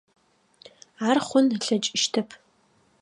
Ар хъун ылъэкӏыщтэп.